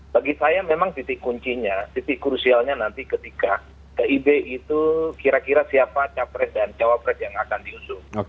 bagi saya memang titik kuncinya titik krusialnya nanti ketika kib itu kira kira siapa capres dan cawapres yang akan diusung